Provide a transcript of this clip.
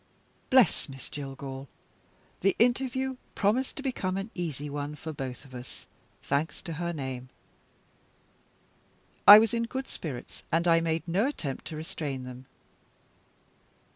Bless Miss Jillgall! The interview promised to become an easy one for both of us, thanks to her name. I was in good spirits, and I made no attempt to restrain them.